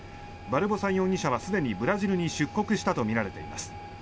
バルボサ容疑者はすでにブラジルに出国したとみられています。